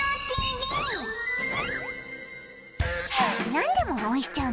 何でも応援しちゃう